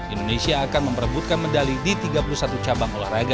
indonesia akan memperebutkan medali di tiga puluh satu cabang olahraga